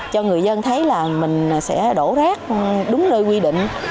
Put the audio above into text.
cho người dân thấy là mình sẽ đổ rác đúng nơi quy định